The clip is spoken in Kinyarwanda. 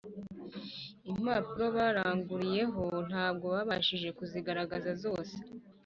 Impapuro baranguriyeho ntabwo babashije kuzigaragaza zose